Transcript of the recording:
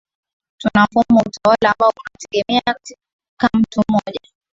tuna mfumo wa utawala ambao unaegemea katika mtu moja